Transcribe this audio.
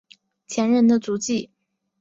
前人的足迹